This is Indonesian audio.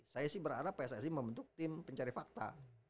saya sih berharap pssi membentuk tim pencari fakta